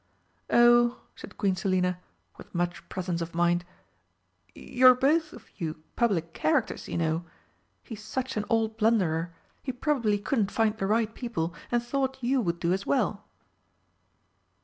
"Oh," said Queen Selina, with much presence of mind, "you're both of you public characters, you know. He's such an old blunderer, he probably couldn't find the right people, and thought you would do as well."